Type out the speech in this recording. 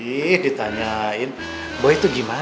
ih ditanyain boy tuh gimana